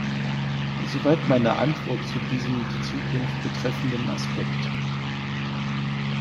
Soweit meine Antwort zu diesem die Zukunft betreffenden Aspekt.